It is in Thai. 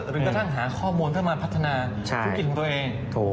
จนกระทั่งหาข้อมูลเพื่อมาพัฒนาธุรกิจของตัวเอง